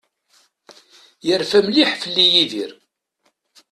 Yerfa mliḥ fell-i Yidir.